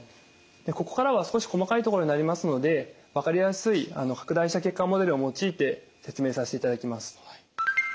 ここからは少し細かい所になりますので分かりやすい拡大した血管モデルを用いて説明させていただきます。